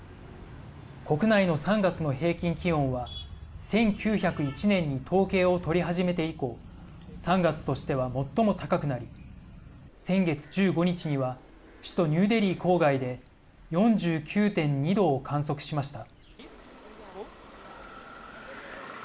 国内の３月の平均気温は１９０１年に統計を取り始めて以降３月としては、最も高くなり先月１５日には首都ニューデリー郊外で４９．２度を観測しました。